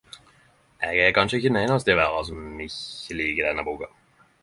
Eg er kanskje den einaste i verda som ikkje likar denne boka.